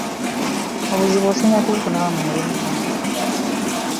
Obuzibu osinga kubufuna wa mu mulimu guno?